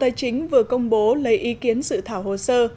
tài chính vừa công bố lấy ý kiến sự thảo hồ sơ